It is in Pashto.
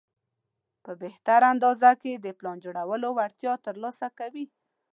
په بهتر انداز کې د پلان جوړولو وړتیا ترلاسه کوي.